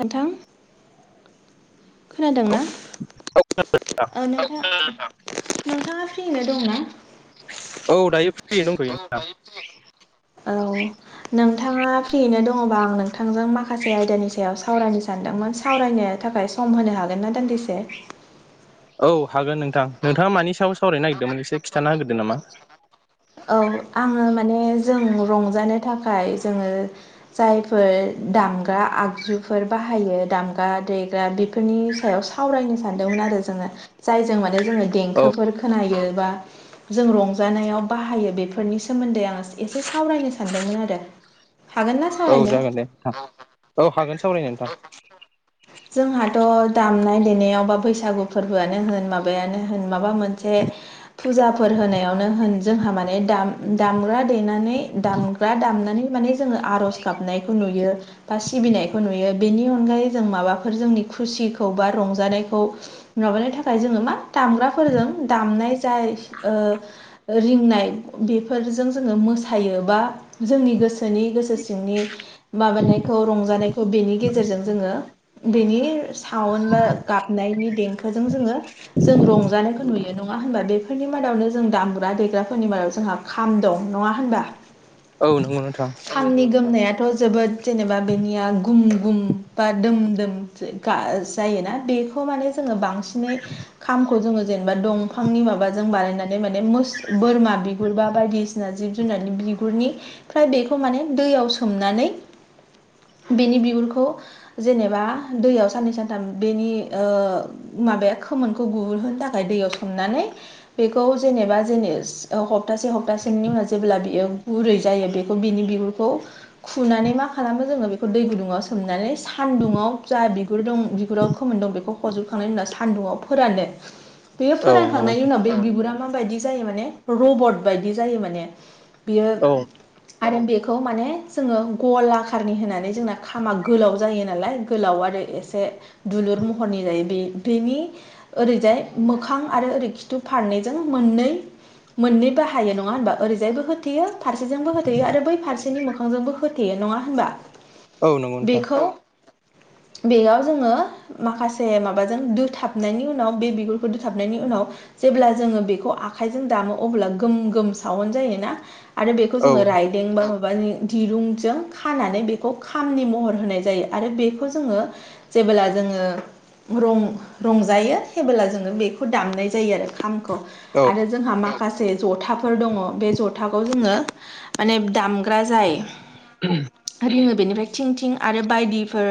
नोथां खोनादों औ ना ओ नों नोंथाङा फ्रिनो दंना? औ दायो फ्रिनो दंफैयो नोंथां औ नोंथाङा फ्रियैनो दङ'बा आं नोंथांजों माखासे आयदानि स सायाव सावरायनो सानदोंमोन सावरायनो थाखाय सम होनो हागोन ना दान्दिसे? औ हागोन नोंथां नोंथाङा मानि सायाव सावरायनो नागिरदोंमोन एसे खिन्थाना होग्रोददों नामा औ आङो माने जों रंजानो थाखाय जोङो जायफोर दामग्रा आगजुफोर बाहायो दामगा देग्रा बेफो फोरनि सायाव सावरायनो सानदोंमोन आरो जोङो जायजों माने जोङो औ देंखोफोर खोनायो बा जों रंजानायाव बाहायो बेफोरनि सोमोन्दै आं एसे सावरायनो सानदोंमोन आरो। हागोन ना औ सावरायनो जागोन दे थां औ हागोन सावरायनो नोंथां जोंहाथ' दामनाय देनायाव बा बैसागु फोरबोआनो होन माबायानो होन माबा मोनसे फुजाफोर होनायावनो होन जोंहा माने दाम दामग्रा देनानै दाम ग्रा दामनानै माने जोङो आर'ज गाबनायखौ नुयो बा सिबिनायखौ नुयो बेनि अनगायै जों माबाफोर जोंनि खुसिखौ बा रंजानायखौ माबानो थाखाय जोङो मा दामग्राफोरजों दामनाय जाय ओ रिंनाय बेफोरजों जोङो मोसायो बा जोंनि गोसोनि गोसो सिंनि माबानायखौ रंजानायखौ बेनि गेजेरजों जोङो बेनि साावन बा गाबनायनि देंखोजों जोङो जों रंजानायखौ नुयो नङा होनबा बेफोरनि मादावनो जों दामग्रा देग्राफोरनि मादाव जोंहा खाम दं नङा होनबा? औ नंगौ नोंथां। खामनि गोमनायाथ' जोबोद जेनेबा बेनिया गुम गुम बा दोम दोम जायोना बेखौ माने जोङो बांसिनै खामखौ जोङो जेनेबा दंफांनि माबाजों बानायनानै माने मुस बोरमा बिगुरबा बायदि सिना जिब जुनार बिगुरनिफ्राय बेखौ माने दैयाव सोमनानै बेनि बिगुरखौ जेनेबा दैयाव साननै सानथाम बेनि ओ माबाया खोमोनखौ गुहोनो थाखाय दैयाव सोमनानै बेखौ जेनेबा जेने हप्तासे हप्तासेनि उनाव जेब्ला बियो गुरै जायो बेखौ बिनि बिगुर खौ खुनानै मा खालामो जों बेखौ दै गुदुं आव सोमनानै सानदुं ङाव जा बिगुर दं बिगुराव खोमोन दं बेखौ हजोबखांनायनि उनाव सान्दुंआव फोरानो। बे औ नंगौ फोरानखांनायनि नोंथां उनाव बे बिबुरा माबायदि जायो माने रबत बायदि जायो माने बियो औ आरो बेखौ माने जोङो गलाखारनि होनानै जोंना खामा गोलाव जायो नालाय गोलाव आरो एसे दुलुर महरनि जायो बे-बेनि ओरैजाय मोखां आरो ओरै खिथु फारनैजों मोननै मोननै बाहायो नङा होनोमबा? ओरैजायबो होथेयो फारसेजोंबो होथेयो आरो बै फारसेनि मोखांजोंबो होथेयो नङा होनबा? औ नंगौ नोंथां। बेखौ बेयाव जोङो माखासे माबाजों दोथाबनायनि उनाव बे बिगुरखौ दोथाबनायनि उनाव जेब्ला जोङो बेखौ आखाइजों दामो अब्ला गोम गोम सावन जायोना? आरो बेखौ औ जोङो राइ जेंबा माबानि दिरुंजों खानानै बेखौ खामनि महर होनाय जायो। आरो बे खौ जोङो जेबोब्ला जोङो रं रंजायो हेबोला जोङो बेखौ दामनाय जायो आरो खामखौ औ आरो जोंहा मा खासे जथाफोर दङ बे जथाखौ जोङो माने दामग्रा जाय रोङो बेनिफ्राय थिं थिं आरो बायदिफोर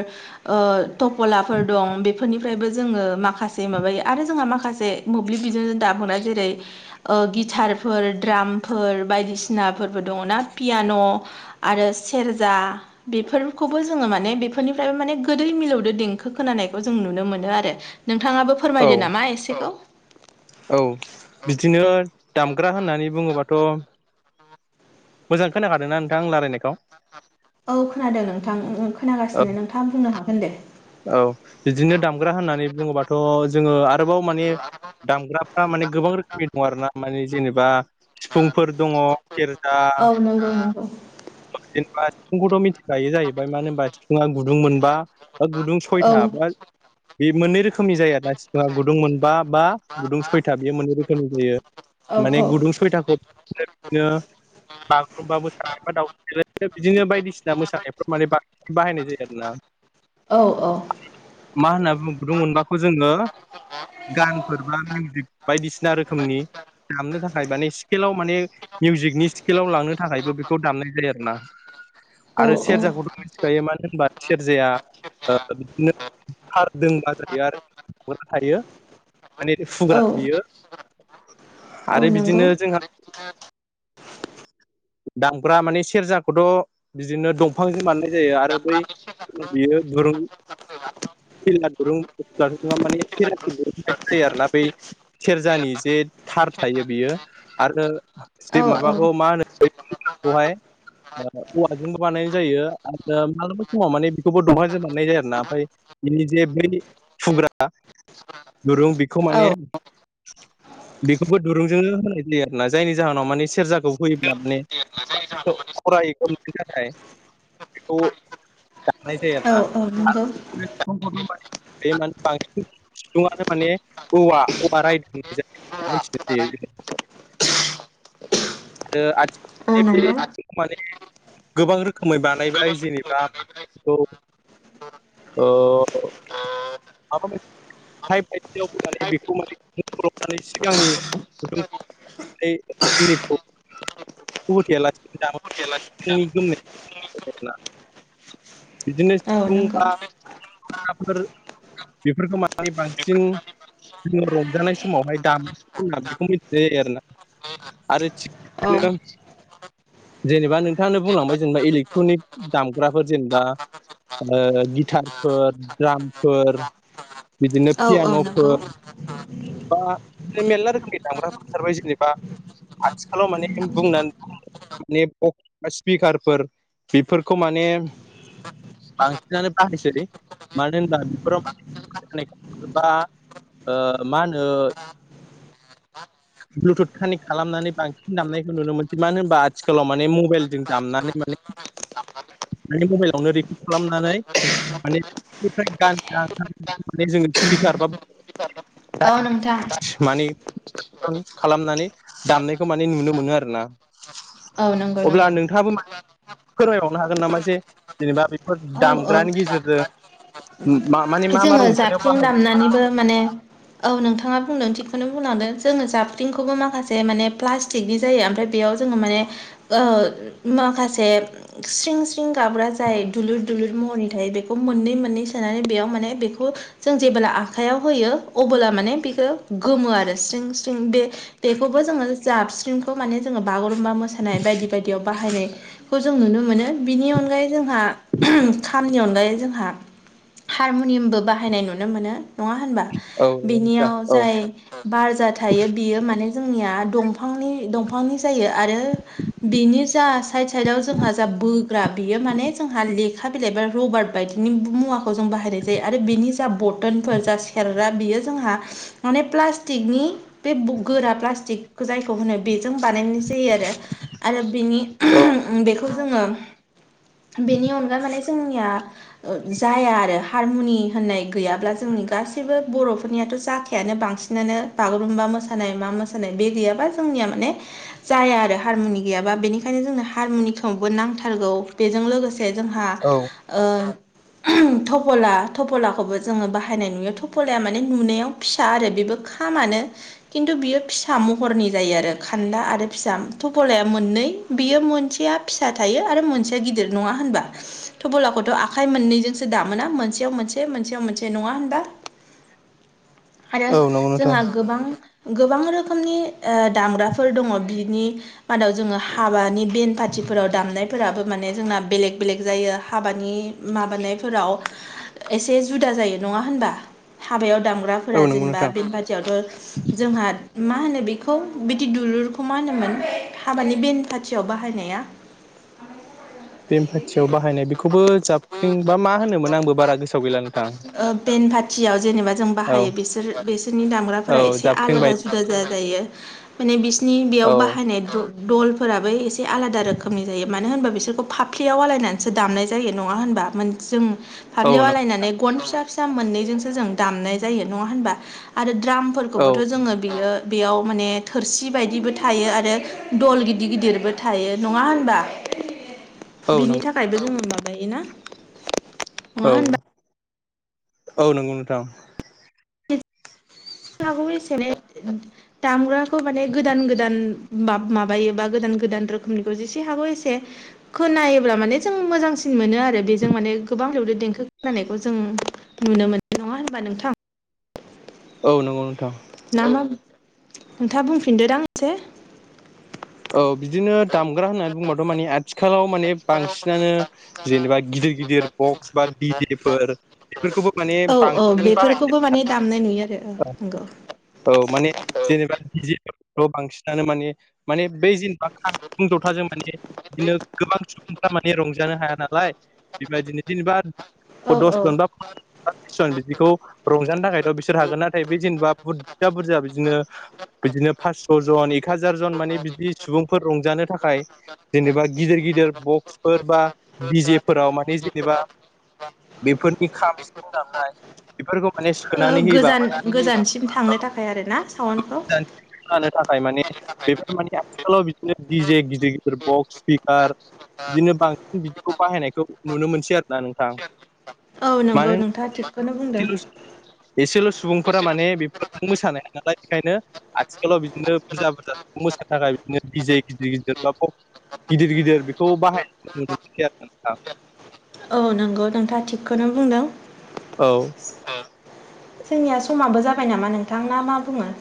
ओ थफलाफोर दं बेफोरनिफ्रायबो जोङो माखासे माबायो आरो जोंहा माखासे मोब्लिब बिजोंजों दामोना जेरै ओ गिटारफोर द्रामफोर बायदिसिनाफोरबो दङ ना पियान' आरो सेरजा बेफोरखौबो जोङो माने बेफोरनिफ्रायबो माने गोदै मिलौदो देंखो खोनानायखौ जों नुनो मोनो आरो नोंथाङाबो औ फोरमायदो नामा एसेखौ औ बिदिनो दामग्रा होननानै बुङोबाथ' मोजां खोनाखादों नोंथां आ रालायनायखौ? [inaudible] औ खोनादों नोंथां ओं ओं औ खोनागासिनो नोंथाङा बुंनो हागोन दे। औ बिदिनो दामग्रा होननानै बुङोबाथ' जोङो आ रोबाव माने दामग्राफ्रा माने गोबां रोखोमनि दङ आरो ना माने जेनेबा सिफुंफोर दङ सेरजा औ नंगौ नंगौ माखा जेनेबा सिफुंखौथ' मिथिखायो जाहैबाय मानो होनबा सिफुङा गुदुं मोनबा बा गुदुं औ सयथा बा बे मोननै रोखोमनि जायो आरोना। सिफुङा गुदुं मोनबा बा गुदुं सयथा बेयो मोननै रोखोमनि जायो। औ माने गुदुं सयथाखौ बिदिनो बिदिनो बागुरुम्बा मोसानाय बा दावस्रि देलाय मोसानाय बिदिनो बायदिसिना मोसानायफोर माने बा बाहायनाय जायो आरोना। औ औ। मा होनना बुं मोनबखौ जोङो गानफोर बा मिउजिक बायदिसिना रोखोमनि दामनो थाखाय माने सि स्केलाव माने मिउजिकनि स्केलाव लांनो थाखायबो बेखौ दामनाय जायो आरो ना। औ आरो सेरजाखौथ' मिथिखायो मानो होनबा सेरजाया ओ बिदिनो थारदोंबा जायो आरो थायो माने औ फुग्रा बियो औ आरो नंगौ बिदिनो जोंहा दामफ्रा माने सेरजाखौथ' बिदिनो दं फांजों बाननाय जायो आरो बै बियो दुरुं सिला [unintelligible] दुरुंङा माने [unintelligible] जायो आरोना बै सेरजानि जे थार थायो बियो आरो औ जे औ माबाखौ मा होनो [unintelligible] औवाजोंबो बानायनाय जायो [unintelligible] मोननाय जायो आरोना ओमफ्राय बिनि जे बै फुग्रा दुरुं बेखौ औ माने बेखौबो दुरुंजोंनो होनाय जायो आरोना जायनि जाहोनाव माने सेरजाखौ हुयोब्ला माने खोब खरायै गोमनो थाखाय बेखौ दानाय जायो आरो औ ना। औ नंगौ [unintelligible] बे मानि बांसिन सुबङानो माने औवा रायदों मिथिनो हायो औ आरो [unintelligible] नंगौ बेखौ माने गोबां रोखोमै बानायबाय जेनेबा [unintelligible] बेखौ औ [unintelligible] [unintelligible] माने बेखौ माने [unintelligible] सिगांनि [unintelligible] [unintelligible] [unintelligible] होथेयालासिनो दामो सिफुंनि गोमनायखौ [unintelligible] बिदिनो औ सिफुं नंगौ बा [unintelligible] बेफोरखौ मानि बांसिन जोङो रंजानाय समावहाय दामो बेखौ मिथिनाय जायो आरो ना आरो थि औ जेनेबा नोंथाङानो बुंलांबाय जेनेबा इलेकट्रनिक दामग्राफोर जेनेबा गिटारफोर द्रामफोर बिदिनो औ औ नंगौ पियान'फोर बा बि मेरला रोखोमनि दामग्रा ओंखारबाय जेनेबा आथिखालाव माने बुंनानै [unintelligible] माने [unintelligible] स्पिकारफोर बेफोरखौ माने बांसिनानो बाहायसै मानो होनबा बेफोराव [unintelligible] बा मा होनो ब्लुथुथ कानेक्ट खालामनानै बांसिन दामनायखौ नुनो मोनसै मानो होनबा आथिखालाव माने मबाइलजों दामनानै माने बे मबाइलावनो रिकार्ड खालामनानै माने [unintelligible] जोङो स्पिकार बा औ नोंथां [unintelligible] माने [unintelligible] खालामनानै दामनाय माने नुनो मोनो आरोना औ नंगौ अब्ला नंगौ नोंथाङाबो फोरमायबावनो हागोन नामा जे जेनेबा बेफोर औ औ दामग्रानि गेजेरजों मा माने मा मा जोङो रंजानायाव जाबख्रिं बाहाय दामनानैबो माने औ नोंथाङा बुंदों थिगखौनो बुंलांदों जोङो जाबख्रिंखौबो माखासे माने प्लास टिगनि जायो ओमफ्राय बेयाव जोङो माने माखासे स्रिं स्रिं थिं गाबग्रा जाय दुलुर महरनि थायो बेखौ मोननै मोननै सोनानै बेयाव माने बेखौ जों जेबोब्ला आखाइयाव होयो अबोला माने बेखौ गोमो आरो स्रिं स्रिं बे बेखौबो जोङो जाबस्रिमखौ माने जोङो बागुरुम्बा मोसानाय बायदि बायदियाव बाहायनाय खौ जों नुनो मोनो बिनि अनगायै जोंहा खामनि अनगायै जोंहा हारमुनियामबो बाहायनाय नुनो मोनो नङा होनबा औ नंगौ नोंथां बिनियाव औ जाय बारजा थायो बियो माने जोंनिया दंफांनि जायो आरो बिनि जा साइद साइदाव जोंहा जा बोग्रा बियो माने जोंहा लेखा बिलाइ बा रबार बायदिनि मुवाखौ जों बाहाय बाहायनाय जायो आरो बेनि जा बटनफोर जा [unintelligible] आरो बियो जोंहा माने प्लास्टिकनि बे गोरा प्लास्टिकखौ जायखौ होनो बेजों बानायनाय जायो आरो। आरो बिनि औ बेखौ जोङो बेनि अनगा माने जोंनिया ओ जाया आरो। हारमुनि होननाय गैयाब्ला जोंनि गासैबो बर'फोरनियाथ' जाखायानो बांसिनानो। बागुरुम्बा मोसानाय मा मोसानाय बे गैयाबा जोंनिया माने जाया आरो हारमुनि गैयाबा। बेनिखायनो जोंनो हारमुनिखौबो नांथारगौ बेजों लोगोसे जोंहा औ। [unintelligible] थबला थबलाखौबो जोङो बाहायनाय नुयो। थबलाया माने नुनायाव फिसा आरो बेबो खामानो। खिन्थु बियो फिसा महरनि जायो आरो खान्दा आरो फिसा थबलाया मोननै बियो मोनसेया फिसा थायो आरो मोनसेया गिदिर नङा होनबा? थबलाखौथ' आखाइ मोननैजोंसो [unintelligible] माने मोनसेयाव मोनसे मोनसेयाव मोनसे नङा होनबा? आरो औ नंगौ नोंथां जोंहा गोबां- गोबां रोखोमनि ओ दामग्राफोर दङ। बिनि मादाव जोङो हाबानि बेन पाथिफोराव दामनायफोराबो माने जोंना बेलेग- बेलेग जायो हाबानि माबानायफोराव एसे जुदा जायो नङा होनबा? हाबायाव दामग्राफोरा औ नंगौ जेनेबा नोंथां बेन पार्टियावथ' जोंहा मा होनो बेखौ बिदि दुलुरखौ मा होनोमोन हाबानि बेन पाथियाव बाहायनाया। बेन पाथियाव बाहायनाय बेखौबो [unintelligible] [unintelligible] [unintelligible] आंबो बारा गोसोआव गैला नोंथां। बेन पारथियाव जेनेबा जों औ बाहायो बिसोर -बेसोरनि औ दामग्राफोरा एसे जाबख्रिं आलादा [unintelligible] बायदि [unintelligible] जायो माने बिसिनि बेयाव औ बाहायनाय दल- दलफोराबो एसे एसे आलादा रोखोमनि जायो मानो होनबा बिसोरखौ फाफ्लियाव आलायनानैसो दामनाय जायो नङा होनबा? [unintelligible] जों औ पाब्लिआव नंगौ आलायनानै गन फिसा- फिसा मोननैजोंसो जों दामनाय जायो नङा होनबा आरो द्राम औ [unintelligible] जोङो बियो बेयाव माने थोरसि बायदिबो थायो आरो दल गिदिर गिदिरबो थायो नङा होनबा? औ बिनि नंगौ थाखायबो जोङो माबायोना नङा औ, होनबा औ नंगौ नोंथां। [unintelligible] दामग्राखौ माने गोदान- गोदान माब-माबायोबा गोदान -गोदान रोखोमनिखौ जेसे हागौ एसे खोनायोल्बा माने जों मोजांसिन मोनो आरो। आरो बेजों माने गोबां मिलौदो देंखो खोननायखौ जों नुनो मोनो नङा होनबा नोंथां? औ नंगौ नोंथां। नामा नोंथाङा बुंफिनदोदां एसे। औ बिदिनो दामग्रा होननानै बुंबाथ' माने आथिखालाव माने बांसिनानो जेनेबा गिदिर -गिदिर बक्स बा [unintelligible] बेफोरखौबो माने औ बांसिन बाहाय बेफोरखौबो माने दामनाय नुयो आरो औ। नंगौ औ माने जेनेबा [unintelligible] बांसिनानो माने माने बै जेनेबा खाम जथाजों माने बिदिनो गोबां सुबुंफ्रा माने रंजानो हाया नालाय बेबायदिनो जेनेबा [unintelligible] औ औ [unintelligible] बिदिखौ रंजानो थाखायथ' बिसोर हागोन नाथाय बे जेनेबा बुरजा- बुरजा बिदिनो बिदिनो पासस' जन एक हाजार जन माने बिदि सुबुंफोर रंजानो थाखाय जेनेबा गिदिर -गिदिर बक्सफोर बा बि जेफोराव मानि जेनेबा बेफोरनि खाम, सिफुं दामनाय [unintelligible] गोजान गोजानसिम थांनो थाखाय आरो ना साउन्डखौ? खानो थाखाय माने बेफोर माने आथिखालाव बिदिनो दिजे गिदिर [unintelligible] बक्स स्पिकार बिदिनो बांसिन बिदिखौ बाहायनायखौ नुनो मोनसै आरो ना नोंथां। औ नंगौ मानो नोंथाङा थिगखौनो बुंदों। होन एसेल' सुबुंफोरा माने बेफोर मोसानो हाया नालाय बेखायनो आथिखालाव बिदिनो बुरजा बुरजा मोसानो थाखाय बिदिनो बिजे [unintelligible] गिदिर गिदिर बा गिदिर गिदिर बेखौ बाहायनाय [unintelligible] आरो नोंथां। औ नंगौ नोंथाङा थिगखौनो बुंदों। औ। [unintelligible] जोंनिया समाबो जाबाय नामा नोंथां ना मा बुङो?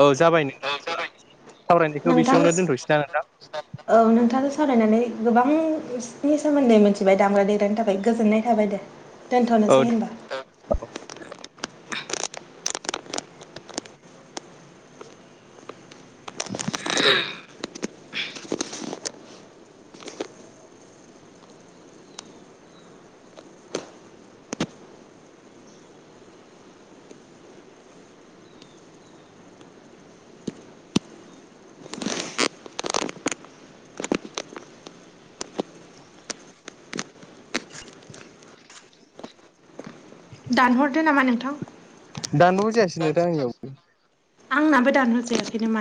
औ जाबाय ना [unintelligible] सावरायनायखौ नोंथां बेसेयावनो दोनथ'सै ना नोंथां? [unintelligible] औ नोंथाङो सावरायनानै गोबां नि सोमोन्दै मिथिबाय दामग्रा देग्रानि थाखाय गोजोननाय थाबाय दे। औ दोनथ'नोसै होनबा। [unintelligible] दानहरदो नामा नोंथां। दानबाबो जायाासैनो दा आंनियाव आंनाबो दानो होजोबसैनो मान